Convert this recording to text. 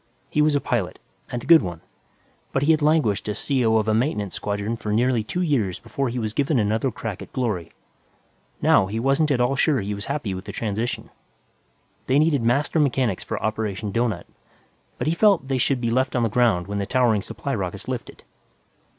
He was a pilot, and a good one, but he had languished as C.O. of a maintenance squadron for nearly two years before he was given another crack at glory. Now, he wasn't at all sure he was happy with the transition. They needed master mechanics for Operation Doughnut, but he felt they should be left on the ground when the towering supply rockets lifted.